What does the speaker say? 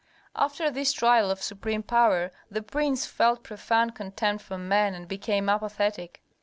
After this trial of supreme power the prince felt profound contempt for men and became apathetic.